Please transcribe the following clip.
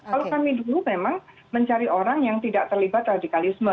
kalau kami dulu memang mencari orang yang tidak terlibat radikalisme